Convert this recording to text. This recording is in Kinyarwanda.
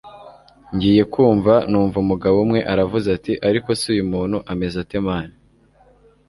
ngiye kumva numva umugabo umwe aravuze ati ariko se uyu muntu ameze ate man!